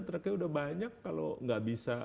truknya udah banyak kalau nggak bisa